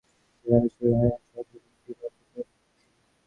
তিনি আবিষ্কার করেন চর্যাগীতি বা চর্যাপদের পুঁথি।